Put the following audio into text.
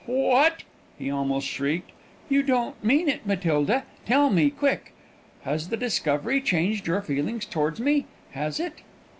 "What!" he almost shrieked. "You don't mean it, Matilda! Tell me, quick! has the discovery changed your feelings towards me? Has it?"